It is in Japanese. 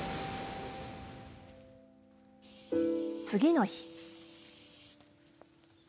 次の日。